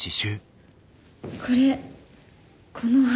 これこの花。